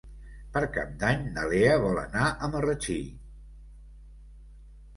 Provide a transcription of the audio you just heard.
Per Cap d'Any na Lea vol anar a Marratxí.